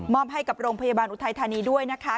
อบให้กับโรงพยาบาลอุทัยธานีด้วยนะคะ